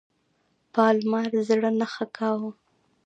پالمر زړه نه ښه کاوه.